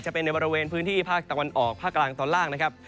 จะเป็นในบริเวณพื้นที่ภาคตะวันออกภาคกลางตอนล่างนะครับ